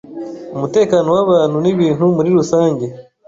umutekano w’abantu n’ibintu muri rusange.